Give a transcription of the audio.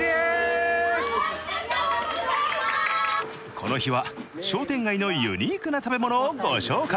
この日は、商店街のユニークな食べ物をご紹介。